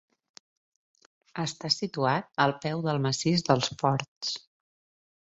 Està situat al peu del massís dels Ports.